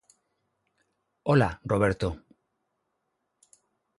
Ola, Roberto.